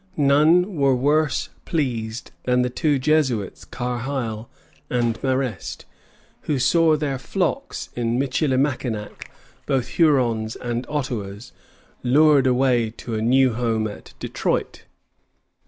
None were worse pleased than the two Jesuits Carheil and Marest, who saw their flocks at Michilimackinac, both Hurons and Ottawas, lured away to a new home at Detroit.